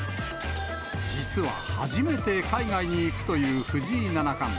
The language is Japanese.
実は初めて海外に行くという藤井七冠。